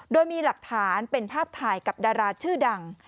โดยมีหลักฐานเป็นภาพถ่ายกับดาราชื่อดัง